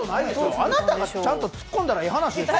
あなたがちゃんとツッコんだらええ話でしょ。